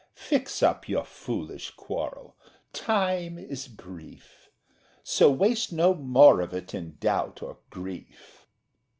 Fix up your foolish quarrel; time is brief— So waste no more of it in doubt or grief.